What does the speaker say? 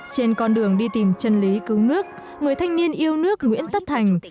trên con đường đi tìm chân lý cứu nước người thanh niên yêu nước nguyễn tất thành